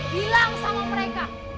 bilang sama mereka